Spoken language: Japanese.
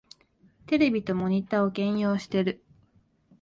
テレビとモニタを兼用してる